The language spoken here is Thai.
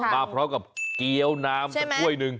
มาเพราะกับเกี๊ยวน้ำสักค่วยหนึ่ง